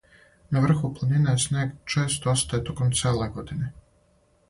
На врху планине снег често остаје током целе године.